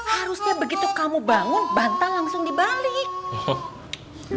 harusnya begitu kamu bangun bantal langsung dibalik